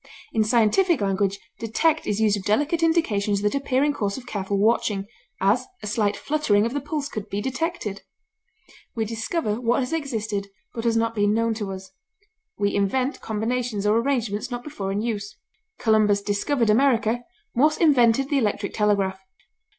In scientific language, detect is used of delicate indications that appear in course of careful watching; as, a slight fluttering of the pulse could be detected. We discover what has existed but has not been known to us; we invent combinations or arrangements not before in use; Columbus discovered America; Morse invented the electric telegraph.